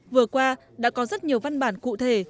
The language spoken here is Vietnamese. vừa qua đã có rất nhiều văn bản cụ thể